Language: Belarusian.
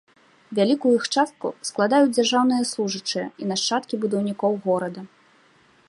Вялікую іх частку складаюць дзяржаўныя служачыя і нашчадкі будаўнікоў горада.